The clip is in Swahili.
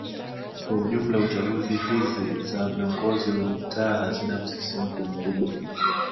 kwa ujumla chaguzi hizi za viongozi wa mitaa hazina msisimko mkubwa